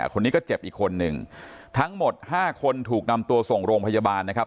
คนนี้ก็เจ็บอีกคนนึงทั้งหมดห้าคนถูกนำตัวส่งโรงพยาบาลนะครับ